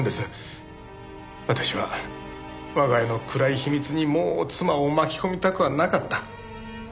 私は我が家の暗い秘密にもう妻を巻き込みたくはなかった。